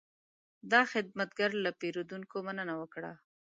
دا خدمتګر له پیرودونکو مننه وکړه.